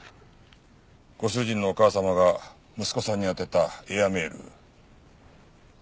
ご主人のお母様が息子さんに宛てたエアメール。